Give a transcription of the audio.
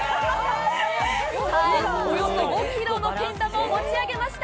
さあ、およそ５キロのけん玉を持ち上げました。